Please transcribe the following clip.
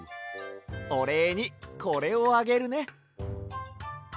おれいにこれをあげるね。